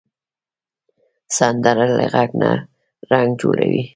سندره له غږ نه رنګ جوړوي